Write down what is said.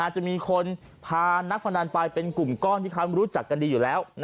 จะมีคนพานักพนันไปเป็นกลุ่มก้อนที่เขารู้จักกันดีอยู่แล้ว